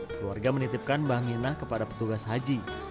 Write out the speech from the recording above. keluarga menitipkan bahminah kepada petugas haji